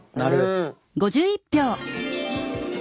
うん。